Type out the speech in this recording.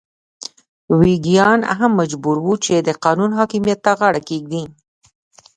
ویګیان هم مجبور وو چې د قانون حاکمیت ته غاړه کېږدي.